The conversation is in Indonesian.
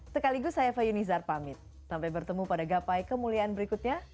sekaligus saya fayunizar pamit sampai bertemu pada gapai kemuliaan berikutnya